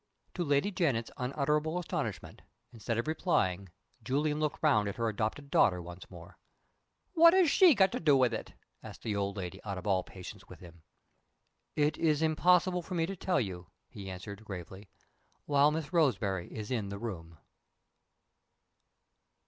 To Lady Janet's unutterable astonishment, instead of replying, Julian looked round at her adopted daughter once more. "What has she got to do with it?" asked the old lady, out of all patience with him. "It is impossible for me to tell you," he answered, gravely, "while Miss Roseberry is in the room."